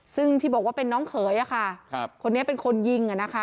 ซึ่งที่บอกว่าเป็นน้องเขยคนนี้เป็นคนยิง